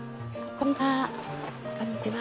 こんにちは。